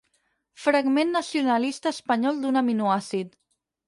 Fragment nacionalista espanyol d'un aminoàcid.